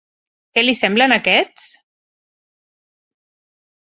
Què li semblen aquests!?